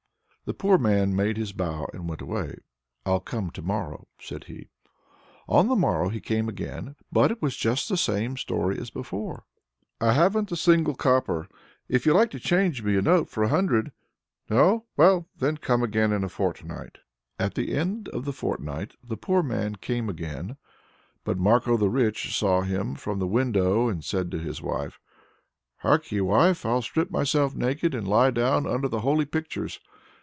The poor man made his bow and went away. "I'll come to morrow," said he. On the morrow he came again, but it was just the same story as before. "I haven't a single copper. If you like to change me a note for a hundred No? well then come again in a fortnight." At the end of the fortnight the poor man came again, but Marko the Rich saw him from the window, and said to his wife: "Harkye, wife! I'll strip myself naked and lie down under the holy pictures.